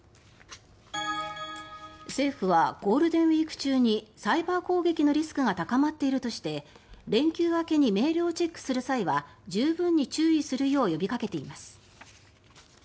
政府はゴールデンウィーク中にサイバー攻撃のリスクが高まっているとして連休明けにメールをチェックする際は十分に注意するよう呼びかけています。